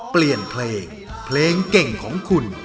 เปลี่ยนเพลงเพลงเก่งของคุณ